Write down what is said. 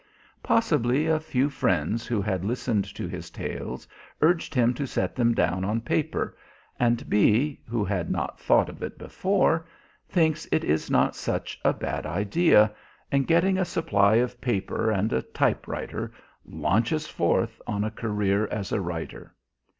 Possibly a few friends who had listened to his tales urged him to set them down on paper, and B, who had not thought of it before, thinks it is not such a bad idea, and getting a supply of paper and a typewriter launches forth on a career as a writer.